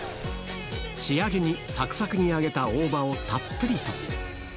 仕上げにさくさくに揚げた大葉をたっぷりと。